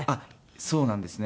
そうなんですね。